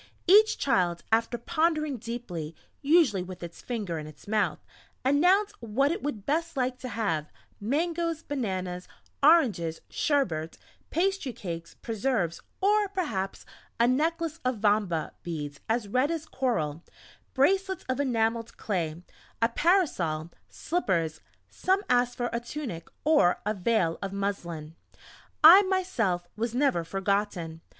Each child, after pondering deeply usually with its finger in its mouth announced what it would best like to have; mangoes, bananas, oranges, sherbet, pastry cakes, preserves, or perhaps a necklace of "vamba" beads as red as coral, bracelets of enamelled clay a parasol slippers; some asked for a tunic, or a veil of muslin.... I, myself was never forgotten.